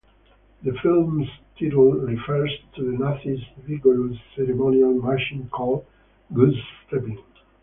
The film's title refers to the Nazis' vigorous ceremonial marching, called "goose-stepping".